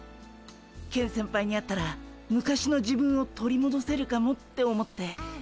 ケン先輩に会ったら昔の自分を取りもどせるかもって思って。